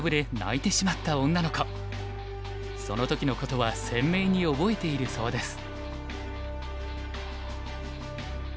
その時のことは鮮明に覚えているそうです。